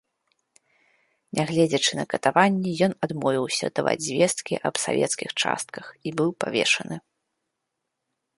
Нягледзячы на катаванні, ён адмовіўся даваць звесткі аб савецкіх частках, і быў павешаны.